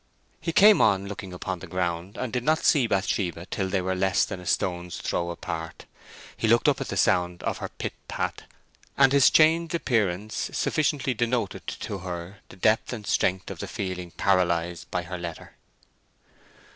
He came on looking upon the ground, and did not see Bathsheba till they were less than a stone's throw apart. He looked up at the sound of her pit pat, and his changed appearance sufficiently denoted to her the depth and strength of the feelings paralyzed by her letter.